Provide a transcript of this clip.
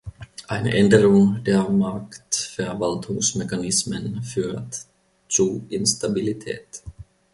Eine Änderung der Marktverwaltungsmechanismen führt zu Instabilität.